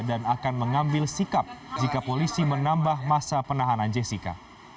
dan akan mengambil sikap jika polisi menambah masa penahanan jessica